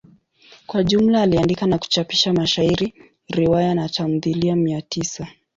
Kwa jumla aliandika na kuchapisha mashairi, riwaya na tamthilia mia tisa.